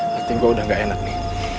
berarti gue udah gak enak nih